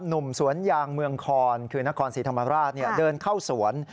หนุ่มสวนยางเมืองคอนคือนครศรีธรรมราชเดินเข้าสวน